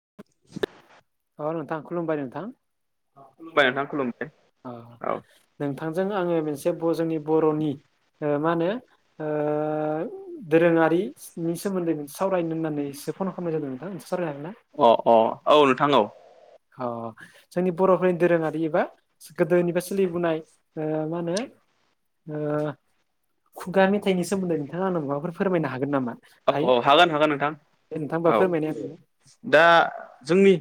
[inaudible] अनोथां खलुम बारि नथां [unintelligible] नोंथां खुलुमबाय नोंथांजों आङो मोनसे जोंनि बर'नि [inaudible] ओ मा होनो ओ दोरोङारिनि सोमोन्दै सावरायनो होननानै फन खालामनाय जादों नोंथां सरायनो होना अ अ औ नोंथां औ औ जोंनि बर'फोरनि दोरोङारि एबा गोदोनिफ्राय सोलिबोनाय ओ मा होनो ओ खुगा मेथाइनि सोमोन्दै नोंथाङा आंनो माबाफोर फोरमायनो हागोन नामा औ हायो औ हागोन हागोन नोंथां ए नोंथांबा औ फोरमायनाय दा जोंनि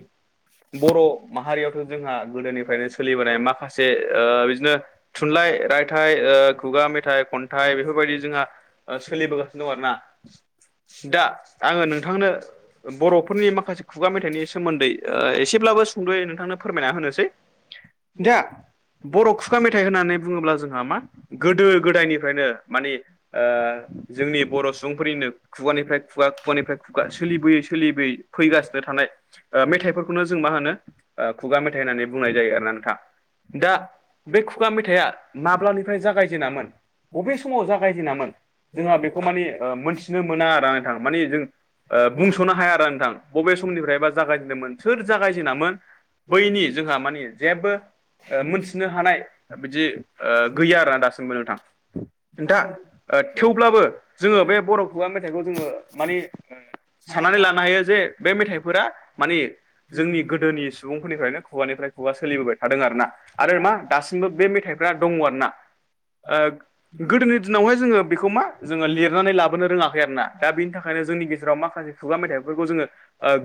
बर' माहारियावथ' जोंहा गोदोनिफ्रायनो सोलिबोनाय माखासे ओ बिदिनो थुनलाइ रायथाइ ओ खुगा मेथाइ खन थाय बेफोरबायदि जोंहा सोलिबोगासिनो दं आरो ना। दा आङो नोंथांनो बर'फोरनि माखासे खुगा मेथाइनि सोमोन्दै एसेब्लाबो सुंद'यै नोंथांनो फोरमायना होनोसै। दा [unintelligible] बर' खुगा मेथाइ होननानै बुङोब्ला जोंहा मा गोदो गोदायनिफ्रायनो मानि ओ जोंनि बर' सुबुंफोरनिनो खुगानिफ्राय खुगा खुगानिफ्राय खुगा सोलिबोयै सोलिबोयै फैगासिनो थानाय मेथाइफोरखौनो जों मा होनो ओ खुगा मेथाइ होननानै बुंनाय जायो आर ना नोंथा। दा बे खुगा मेथाइआ माब्लानिफ्राय जागायजेनामोन बबे समाव जागायजेनामोन जोंहा बेखौ मानि मोन्थिनो मोना आरो नोंथां मानि जों ओ बुंस'नो हाया आरो नोंथां बबे समनिफ्रायबा जागायजेनदोंमोन सोर जागायजेनामोन बैनि जोंहा मानि जेबो मोनथिनो हानाय बिदि गैया दासिमबो नोंथां। नथा थेवब्लाबो जोङो बे बर' खुगा मेथाइखौ जोङो मानि साननानै लानो हायो जे बे मेथाइफोरा मानि जोंनि गोदोनि निफ्रायनो खुवानिफ्राय खुवा सोलिबोबाय थादों आरोना आरो मा दासिमबो बे मेथाइफ्रा दङ आरोना। ओगोदोनि दिनावहाय जोङो बेखौ मा जोङो लिरनानै लाबोनो रोङाखै आरो ना, दा बिनि थाखायनो जोंनि गेजेराव माखासे खुगा मेथाइफोरखौ जोङो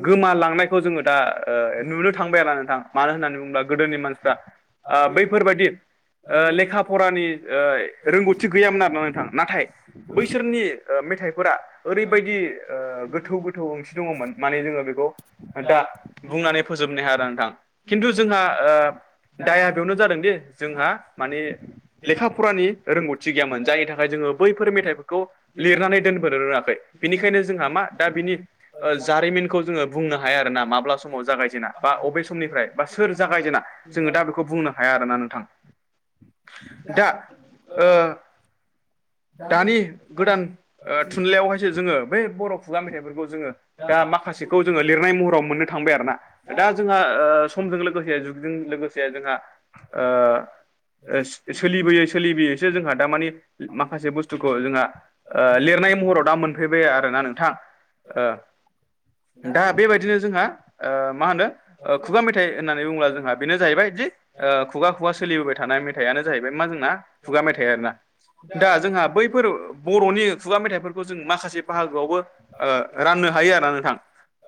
गोमालांनायखौ जोङो दा ओ नुनो थांबायला नोंथां मानो होननानै बुङोब्ला गोदोनि मानसिफ्रा बैफोरबायदि लेखा फरानि रोंगौथि गैयामोन आरोना नोंथां। नाथाय बैसोरनि मेथाइफोरा ओरैबायदि गोथौ गो थौ ओंथि दङमोन माने जोङो बेखौ दा बुंनानै [unintelligible] नोंथां खिन्थु जोंहा दाया बेयावनो जादों दे जोंहा मानि लेखा फरानि रोंगौथि गैयामोन जायनि थाख थाखाय जोङो बैफोर मेथाइफोरखौ लिरनानै दोनबोनो रोङाखै। बिनिखायनो जोंहा मा दा बिनि जारिमिनखौ जोङो बुंनो हाया आरोना माब्ला समाव जागायजेना। बा अबे समनिफ्राय बा सोर जागायजेना जोङो दा बेखौ बुंनो हाया आरोना नोंथां। दा ओ दानि गोदान थुनलाइयावहायसो जोङो बै बर' खुगा मेथाइफोरखौ जोङो दा माखासेखौ जोङो लिरनाय महराव मोननो थांबाय आरो ना। दा जोंहा ओ समजों लोगोसे जुगजों लोगोसे जोंहा ओ सोलिबोयै सोलिबोयैसो जोंहा दारमानि माखासे बुस्थुखौ जोंहा ओ लिरनाय महराव दा मोन फैबाय आरोना नोंथां। दा बेबायदिनो जोंहा मा होनो खुगा मेथाइ होननानै बुङोब्ला जोंहा बेनो जाहैबायदि ओ खुगा खुगा सोलिबोबाय थानाय मेथाइआानो जाहैबाय मा जोंना खुगा मेथाइ आरोना दा जोंहा बैफोर बरनि खुगा मेथाइफोरखौ जों माखा से बाहागोआवबो ओ रानो हायो आरो ना नोंथां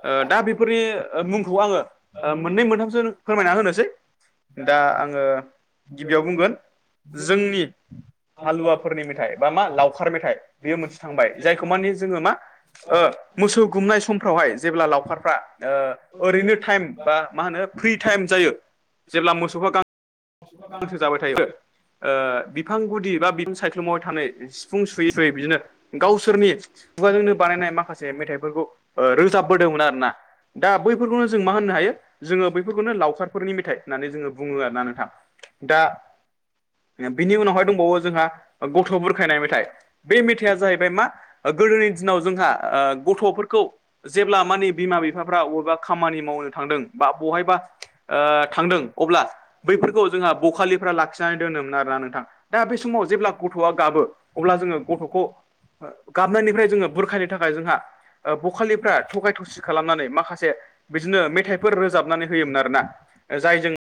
ओ दा बेफोरनि मुंखौ आंङो ओ मोननै मोनथामसो फोरमायना होनोसै। दा आंङो गिबियाव बुंगोन जोंनि हालुवाफोरनि मेथाइ बा मा लावखार मेथाइ बेयो मोनसे थांबाय जायखौ मानि जोंङो मा ओ मोसौ गुमनाय समफ्रावहाय जेब्ला लावखार फ्रा ओ ओरैनो थायम बा माहोनो फ्रि थायम जायो जेब्ला मोसौखौ गां मोसौखौ गां बिसोरो ओ बिफां गुदि बा बिफां सायख्लुमावा थानाय सिफुं सुयै सुयै बिदिनो गावसोरनि खुगाजोंनो बानायनाय माखासे मेथाइफोरखौ रोजाबबोदोंमोन आरो ना। दा बैफोरखौनो जों मा होननो हायो जोंङो बैफोरखौनो लावखारफोरनि मेथाइ होननानै जोंङो बुङो आरो ना नोंथां। दा बिनि उनावहाय दंबावो जोंहा गथ बुरखायनाय मेथाइ बे मेथाइआ जाहैबाय मा गोदोनि दिनाव जोंहा ओ गथफोरखौ जेब्ला मानि बिमा बिफा बबेबा खामानि मावनो थांदों बा बहायबा ओ थांदों अब्ला बैफोरखौ जोंहा बखालिफ्रा लाखिनानै दोनोमोन आरोना नोंथां दा बे समाव जेब्ला गथआ गाबो अब्ला जोंङो गथखौ गाबनायनिफ्राय जोंङो बुरखाय नि थाखाय जोंहा बखालिफ्रा थगाय थसि खालामनानै माखासे बिदिनो मेथाइफोर रोजाबनानै होयोमोन आरोना जाय जों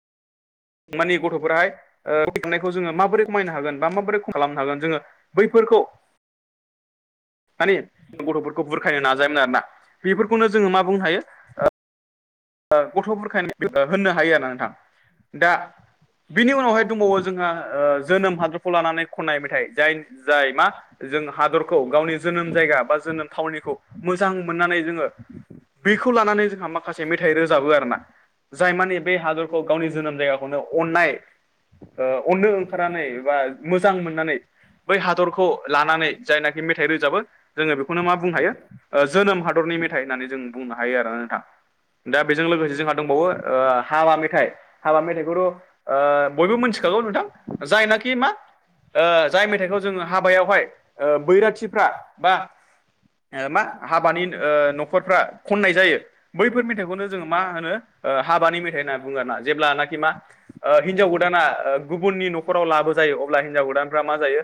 मानानि गथफोराहाय ओ थांनायखौ जोंङो माबोरै खमायनो हागोन बा माबोरै ख खालामनो हागोन जोंङो बैफोरखौ मानि गथफोरखौ बुरखायनो नाजायोमोन आरोना बेफोरखौनो जोंङो मा बुंनो हायो ओ गथफोरखायनो होननो हायो आरो नोंथां दा बिनि उनावहाय दंबावो जोंहा ओ जोनोम हादरखौ लानानै खननाय मेथाइ जाय जाय मा जों हादरखौ गावनि जोनोम जायगा बा जोनोम थावनिखौ मोजां मोननानै जोंङो बेखौ लानानै जोंहा माखासे मेथाइ रोजाबो आरोना जाय मानि बे हादरखौ गावनि जोनोम अननो अननाय ओ अननो ओंखारनानै बा मोजां मोननानै बै हादरखौ लानानै जायनाखि मेथाइ रोजाबो जोंङो बेखौनो मा बुंनो हायो जोनोम हादरनि मेथाइ होननानै जों बुंनो हायो आरोना नोंथां दा बेजों लोगोसे जोंहा दंबावो हाबा मेथाइ हाबा मेथाइखौथ ओ बयबो मिथिखागौ नोंथां जायनाखि मा ओ जाय मेथाइखौ जोंङो हाबायावहाय बैराथिफ्रा बा मा हाबानि ओ नखरफ्रा खननाय जायो बेफोर मेथाइखौनो जोंङो मा होनो ओ हाबानि मेथाइ होनना बुङो आरोना जेब्लानाखि मा ओ हिन्जाव गोदाना गुबुननि नखराव लाबो जायो अब्ला हिन्जाव गोदानफ्रा मा जायो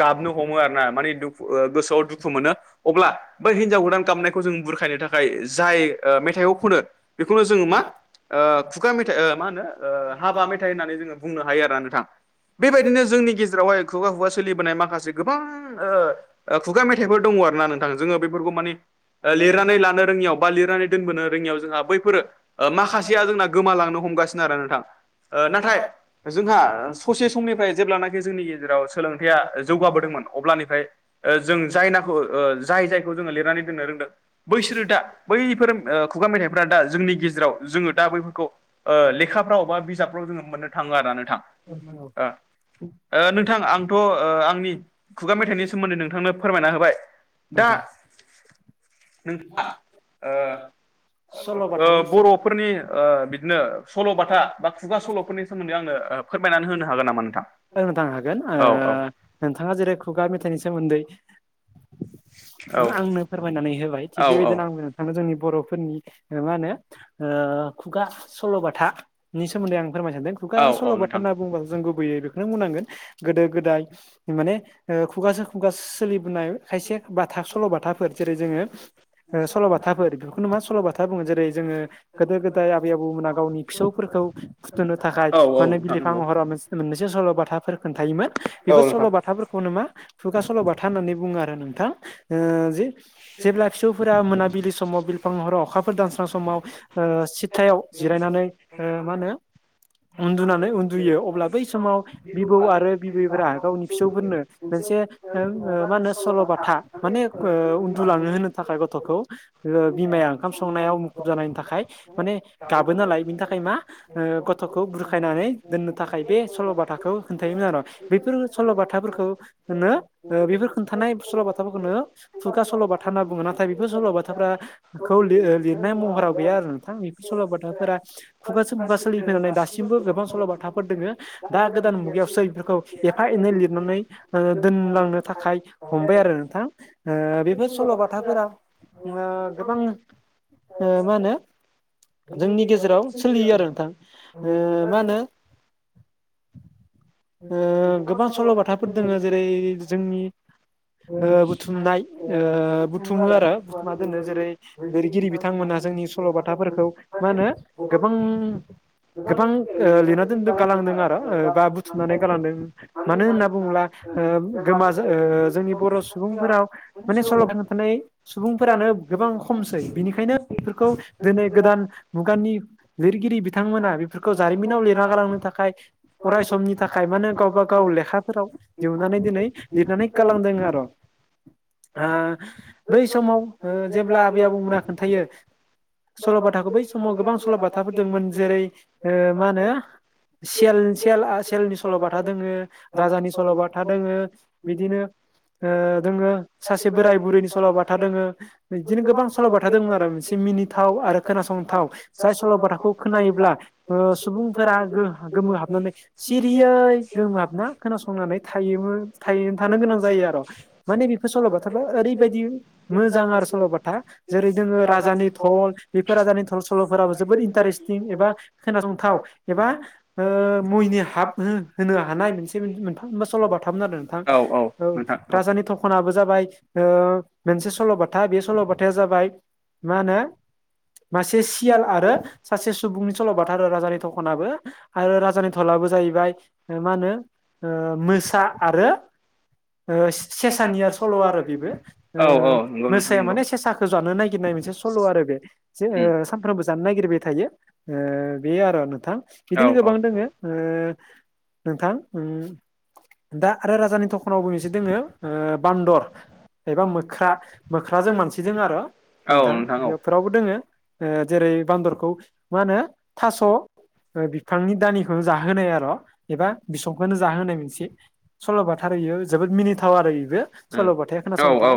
गाबनो हमो आरो ना मानि दुखु गोसोआव दुखु मोनो अब्ला बै हिनजाव गोदान गामनायखौ जों बुरखायनो थाखाय जाय ओ मेथाइ थायाइआव फुनो बेखौनो जोंङो मा ओ खुगा मेथाइ मा होनो हाबा मेथाइ होननानै जोंङो बुंनो हायो आरोना नोंथां बेबायदिनो जोंनि गेजेरावहाय खुगा खुगा सोलिबोनाय माखासे गोबां ओ खुगा मेथाइफोर दङ आरो ना नोंथां जोंङो बेफोरखौ माने लिरनानै लानो रोङियाव बा लिरनानै दोनबोनो रोङियाव जोंहा बैफोरो माखासेया जोंना गोमालांनो हमगासिनो आरो नोंथां ओ नाथाय जोंहा ससे समनिफ्राय जेब्लानाखि जोंनि गेजेराव सोलोंथायाइया जौगाबोदोंमोन अब्लानिफ्राय जों जाय नाखौ जाय जायखौ जोंङो लिरनानै दोननो रोंदों बैसोरो दा बैफोर खुगा मेथाइफोरा दा जोंनि गेजेराव जोंङो दा बैफोरखौ ओ लेखाफ्राव बा बिजाबफ्राव जोंङो मोननो थाङो आरो नोंथां नोंथां आंथ ओ आंनि खुगा मेथाइनि सोमोन्दै नोंथांनो फोरमायना होबाय दा नोंथां नोंथाङा सल'बाथानि सोमोन्दै बर'फोरनि बिदिनो सल'बाथा बा खुगा सल'फोरनि सोमोन्दै आंनो फोरमायनानै होनो हागोन नामा नोंथां होननो थांनो हागोन औ औ नोंथाङा जेरै खुगा मेथाइनि सोमोन्दै आंनो फोरमायनानै होबाय थिग औ औ बेबायदिनो आंबो नोंथांनो जोंनि बर'फोरनि मा होनो ओ खुगा सल'बाथाानि सोमोन्दै आं फोरमाय सानदों खुगा औ औ सल'बाथा नोंथां होनना बुंङोबा जों लुबैयो बेखौनो बुंनांगोन गोदो गोदाय माने खुगासो खुगासो सोलिबोनाय खायसे बाथा सल'बाथाफोर जेरै जोङो सल'बाथाफोर बेफोरखौनो मा सल'बाथा बुङो जेरै जोङो गोदो गोदाय आबै आबौमोना गावनि फिसौफोरखौ फुथुनो थाखाय औ औ माने नोंथां बिलिफां नंगौ हहरा मोन मोनसे सल' बाथाफोर खोन्थायायोमोन औ बेफोर नोंथां सल' बाथाफोरखौनो मा खुगा सल'बााथा होननानै बुङो आरो नोंथां जे जेब्ला फिसौफोरा मोनाबिलि समाव बिफां महराव अखाफोर दानस्रां समाव सिदथायाव जिरायनानै मा होनो उन्दुनानै उन्दुयो अब्ला बै समाव बिबौ आरो बिबैफोरा गावनि फिसौफोरनो मोनसे मा होनो सल'बाथा माने उन्दुलाांनो होनो थाखाय गथ'खौ बिमाया ओंखाम संनायाव मुखुब जानायनि थाखाय माने गाबो नालाय बिनि थाखाय मा गथ'खौ बुरखायनानै दोननो थाखाय बे सल'बाथाखौ खोनथायोमोन आरो। बेफोर सल'बाथाफोरखौनो बेफोर खोन्थानाय सल'बाथा बाथाफोरखौनो खुगा सल'बाथा होनना बुङो नाथाय बेफोर सल'बाथाफ्रा खौिर लिरनाय महराव गैया आरो नोंथां बेफोर सल'बाथाफोरा खुगासो खुगा सोलिफैनानै दासिमबो गोबां सल' बाथाफोर दोङो दा गोदान मुगायावसो बेफोरखौ एफा एनै लिरनानै दोनलांनो थाखाय हमबाय आरो नोंथां बेफोर सल'बाथाफोरा गोबां मा होनो जोंनि गेजेराव सोलियो आरो नोंथां मा होनो गोबां सल'बाथाफोर दङो जेरै जोंनि बुथुमनाय बुथुमो आरो बुथुमा दोनो जेरै लिरगिरि बिथांमोनहा जोंनि सल'बाथाफोरखौ मा होनो गोबां गोबां लिरना दोनदों गालांदों आरो बा बुथुमनानै गालांदों। मानो होनना बुङोब्ला गोमाज जोंनि बर' सुबुंफोराव माने सल'दान थानाय सुबुंफोरानो गोबां खमसै बिनिखायनो बेफोरखौ दिनै गोदान मुगानि लिरगिरि बिथांमोना बेफोरखौ जारिमिनाव लिरना गालांनो थाखाय अराय समनि थाखाय माने गावबा गाव लेखाफोराव दिहनानै दिनै लिरनानै खालामदों आरो। बै समाव जेब्ला आबै आबौमोना खोन्थायो सल'बाथाखौ बै समाव गोबां सल'बाथाफोर दंमोन जेरै मा होनो सेल सेलनि सल'बाथा दोङो राजानि सल'बाथा दोङो बिदिनो दोङो सासे बोराय बुरैनि सल'बाथा दोङो बिदिनो गोबां सल'बाथा दंमोन आरो मोनसे मिनिथाव आरो खोनासंथाव जाय सल'बाथाखौ खोनायोब्ला सुबुंफोरा गोमोहाबनानै सिरियै गोमोहाबना खोनासंनानै थायोमोन थायैनो थानो गोनां जायो आरो। माने बेफोर सल'बाथााब ओरैबायदि मोजां आरो सल'बाथा जेरै दोङो राजानि टल बेफोर राजानि टल सल'फोराबो जोबोद इन्टारेस्टिं एबा खोनासंथाव एबा मैनि हाब होनो हानाय मोनसे मोनथाम मोना सल'बाथामोन आरोदों औ राजानि थखनाबो जाबाय मोनसे सल'बाथा बे सल'बाथा। खोथाया जाबाय मा होनो मासे सियाल आरो सासे सुबुंनि सल'बाथा राजानि थखनाबो आरो राजानि थलबो जाहैबाय मा होनो मोसा आरो सेसानिया सल' आरो बेबो औ औ नंगौ नोंथां मोसाया नंगौ माने उम औ नोंथां औ उम औ औ सेसाखौ जानो नागिरनाय मोनसे सल' आरो बे जे सानफ्रोमबो जानो नागिरबाय थायो बे आरो नोंथां बिदिनो गोबां दोङो नोंथां दा आरो राजानि दखनावबो दोङो बान्दर एबा मोख्रा मोख्राजों मानसि दङ आरो नोंथां बेफोरावबो दोङो जेरै बान्दरखौ मा होनो थास' बिफांनि दानिखौनो जाहोनाय आरो एबा बिसंखौनो जाहोनाय मोनसे सल'बाथा आरो बेयो जोबोद मिनिथाव आरो बेबो सल'बाथाया खोनासंथाव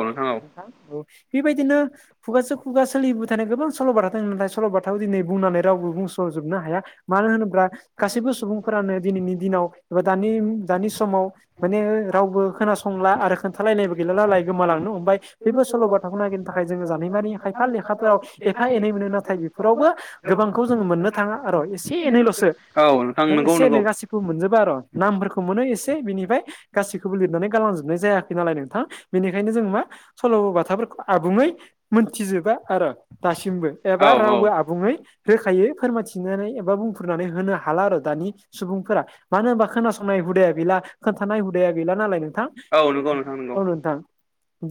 औ बेबायदिनो खुगासो खुगा सोलिबो थानाय गोबां सल'बारा नाथाय सल'बाथाखौ दिनै बुंनानै रावबो बुंस'जोबनो हाया मानो होनोब्ला गासैबो सुबुंफोरानो दिनैनि दिनाव एबा दानि दानि समाव माने रावबो खोनासंला आरो खोनथालायनायबो गैलालाय गोमालांनो हमबाय बेबो सल' बाथाखौ नागिरनो थाखाय जोङो जानारिमिनारि खायफा लेखाफोराव एफा एनै मोनो नाथाय बेफोरावबो गोबांखौ जों मोननो थाङा आर' एसे एनैल'सो औ नंगौ एसे एनै नंगौ गासिबो मोनजोबा आरो' नामफोरखौ मोनो एसे बिनिफ्राय गासैखौबो लिरनानै गालांजोबनाय जायाखै नालाय नोंथां बेनिखायनो जों मा सल' बाथाफोरखौ आबुङै मोनथिजोबा आरो दासिमबो एबा औ रावबो औ आबुङै होखायो फोरमायथिनानै एबा बुंफोरनानै होनो हाला आरो दानि सुबुंफोरा मानो होनबा खोनासंनाय हुदाया गैला खोन्थानाय हुदाया गैला नालाय नोंथां औ नंगौ नोंथां औ नंगौ। नोंथां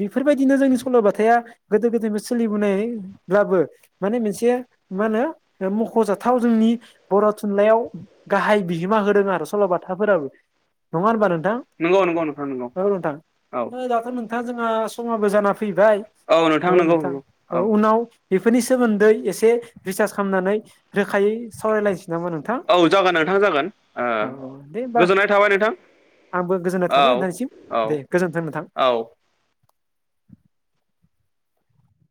बेफोरबायदिनो जोंनि सल'बाथाया गोदो गोदायनि सोलिबोनायब्लाबो माने मोनसे मा होनो मख'जाथाव जोंनि बर' थुनलाइयाव गाहाय बिहोमा होदों आरो सल'बाथाफोराबो नङा होनबा नोंथां? नंगौ नंगौ नोंथां नंगौ औ नोंथां औ दाथ' नोंथां जोंहा समाबो जाना फैबाय औ नोंथां औ उनाव बेफोरनि सोमोन्दै एसे रिसार्ज खालामनानै रोखायै सावरायलायसै नामा नोंथां? औ जागोन नोंथां जागोन ओ औ औ दे होमबा गोजोननाय थाबाय नोंथां आंबो गोजोननाय औ थाबाय नोंथांनिसिम औ दे गोजोन्थों नोंथां। औ